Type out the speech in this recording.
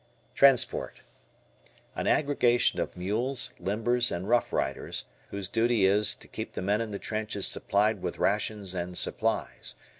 Transport. An aggregation of mules, limbers, and rough riders, whose duty is to keep the men in the trenches supplied with rations and supplies.